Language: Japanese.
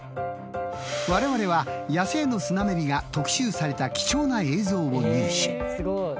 我々は野生のスナメリが特集された貴重な映像を入手。